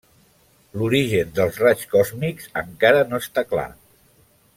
L'origen dels raigs còsmics encara no està clar.